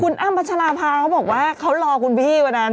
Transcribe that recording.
คุณอ้ำพัชราภาเขาบอกว่าเขารอคุณพี่วันนั้น